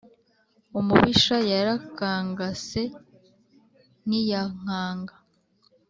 Umubisha yarakangase ntiyankanga.